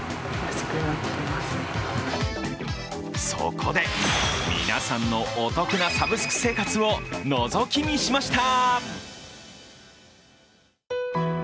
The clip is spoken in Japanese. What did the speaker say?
そこで、皆さんのお得なサブスク生活をのぞき見しました。